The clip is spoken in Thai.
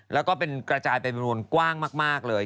แล้วก็เป็นกระจายเป็นจำนวนกว้างมากเลย